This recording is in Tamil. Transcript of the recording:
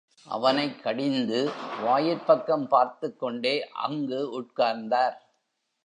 அவனைக் கடிந்து, வாயிற்பக்கம் பார்த்துக்கொண்டே அங்கு உட்கார்ந்தார்.